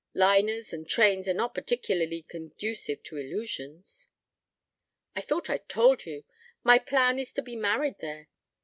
Liners and trains are not particularly conducive to illusions." "I thought I'd told you. My plan is to be married there.